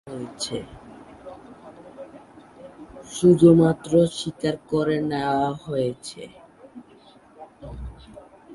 শুধুমাত্র স্বীকার করে নেওয়া হয়েছে।